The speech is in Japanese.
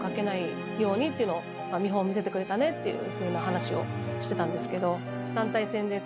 見本見せてくれたねっていう話をしてたんですけど。